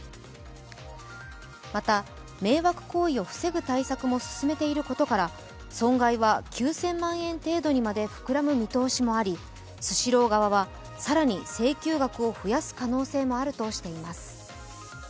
また迷惑行為を防ぐための対策も進めていることから、損害は９０００万円程度にまで膨らむ見通しもありスシロー側は更に請求額を増やす可能性もあるとしています。